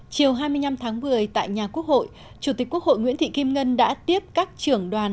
chiều hai mươi năm tháng một mươi tại nhà quốc hội chủ tịch quốc hội nguyễn thị kim ngân đã tiếp các trưởng đoàn